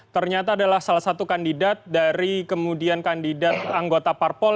ternyata adalah salah satu kandidat dari kemudian kandidat anggota parpol